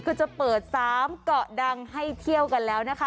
ก็จะเปิด๓เกาะดังให้เที่ยวกันแล้วนะคะ